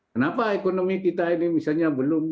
kenapa ekonomi kita ini misalnya belum